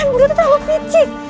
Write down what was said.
budi itu terlalu pijik